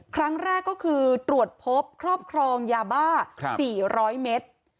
ครั้งแรกก็คือตรวจพบครอบครองยาบ้า๔๐๐เมตร